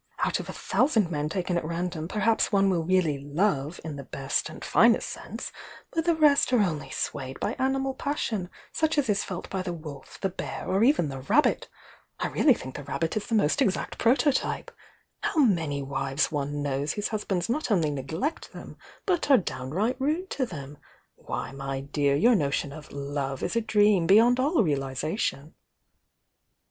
Out of a thousand men taken at random perhaps one will really love, in the best and finest sense; the rest are only swayed by animal passion such as is felt by the wolf, the bear, or even the rabbit! — I really think the rabbit is the 04 THE YOUNG DIANA most exact prototype! How many wives one knows whose husbands not only neglect them, but are downright rude to them!— Why, my dear, your no <"t,° 1°,^^ '®*'''■*'*™' beyond all realisation!"